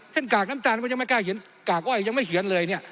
กากน้ำตาลมันยังไม่กล้าเขียนกากอ้อยยังไม่เขียนเลยเนี่ย